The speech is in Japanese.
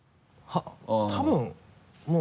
多分もう。